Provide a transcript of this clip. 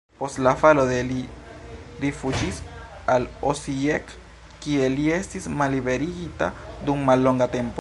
Post la falo li rifuĝis al Osijek, kie li estis malliberigita dum mallonga tempo.